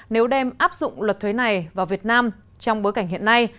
nếu đem áp dụng luật thuế này vào việt nam trong bối cảnh hiện nay